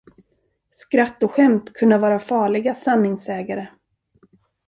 Skratt och skämt kunna vara farliga sanningssägare.